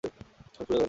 সব শুরু হয়ে গেল তাহলে।